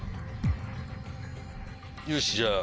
よしじゃあ。